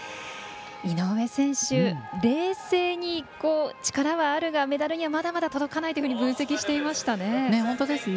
井上選手、冷静に力はあるがメダルにはまだまだ届かないと分析していましたね。